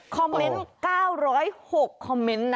คอมเมนต์๙๐๖คอมเมนต์นะครับ